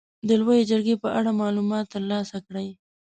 د لويې جرګې په اړه معلومات تر لاسه کړئ.